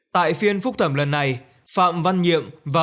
tại phiên phúc thẩm lần này phạm văn nhiệm và